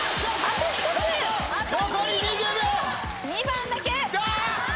２番だけ！